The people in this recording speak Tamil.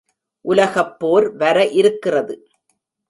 உலகப்போர் வர இருக்கிறது.